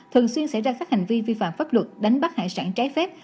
thường xuyên xảy ra các hành vi vi phạm pháp luật đánh bắt hải sản trái phép